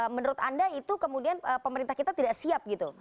menurut anda itu kemudian pemerintah kita tidak siap gitu